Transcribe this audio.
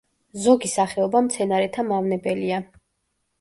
ზოგი სახეობა მცენარეთა მავნებელია.